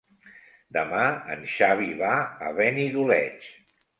Demà en Xavi va a Benidoleig.